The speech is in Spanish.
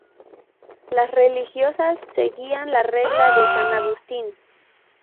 Las religiosas seguían la Regla de San Agustín.